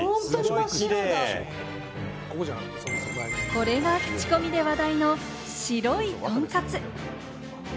これがクチコミで話題の白いとんかつ。